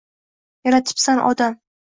Yaratibsan odam